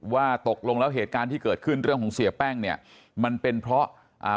ว่าตกลงแล้วเหตุการณ์ที่เกิดขึ้นเรื่องของเสียแป้งเนี่ยมันเป็นเพราะอ่า